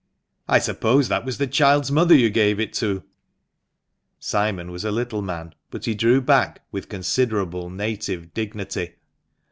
I suppose that was the child's mother you gave it to ?" Simon was a little man, but he drew back with considerable native dignity.